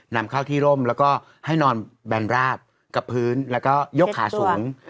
นำเข้าที่ร่มแล้วก็ให้นอนแบนราบกับพื้นแล้วก็ยกขาสูง